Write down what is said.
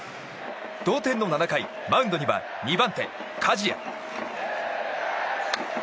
同点の７回、マウンドには２番手、加治屋。